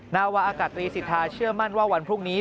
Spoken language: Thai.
นาวาอากาศรีสิทธาเชื่อมั่นว่าวันพรุ่งนี้